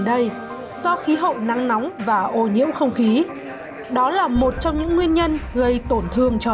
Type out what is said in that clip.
đây do khí hậu nắng nóng và ô nhiễm không khí đó là một trong những nguyên nhân gây tổn thương cho